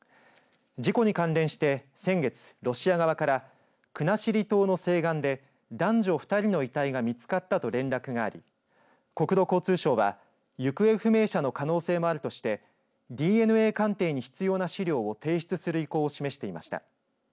事故に関連して先月ロシア側から国後島の西岸で男女２人の遺体が見つかったと連絡があり国土交通省は行方不明者の可能性もあるとしてＤＮＡ鑑定に必要な資料を提出する意向を示していました。